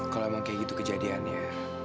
kalau emang kayak gitu kejadian ya